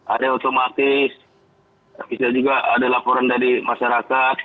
ada otomatis bisa juga ada laporan dari masyarakat